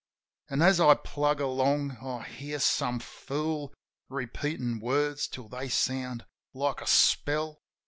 An', as I plug along, I hear some fool Repeatin' words till they sound like a spell.